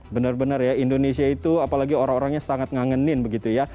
benar benar ya indonesia itu apalagi orang orangnya sangat ngangenin begitu ya